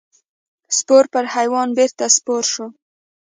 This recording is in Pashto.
سپور پر حیوان بېرته سپور شو.